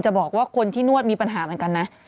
บอกว่าคนที่นวดมีปัญหาเหมือนกันนะ